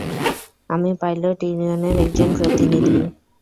আমি পাইলট ইউনিয়নের একজন প্রতিনিধি।